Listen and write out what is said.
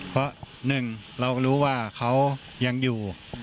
เพราะหนึ่งเราก็รู้ว่าเขายังอยู่